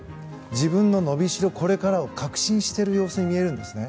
自分の伸びしろこれからを確信している様子に見えるんですね。